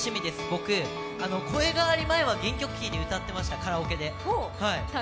僕、声変わり前は原曲キーで歌ってました、カラオケで。